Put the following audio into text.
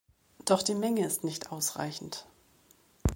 Doch die Menge ist nicht ausreichend.